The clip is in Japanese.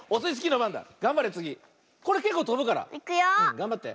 がんばって。